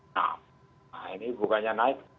nah ini bukannya naik satu lima